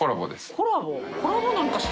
コラボ？